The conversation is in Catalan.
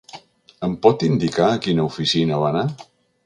Em pot indicar a quina oficina va anar?